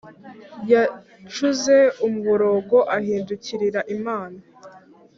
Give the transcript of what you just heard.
yacuze umuborogo ahindukirira imana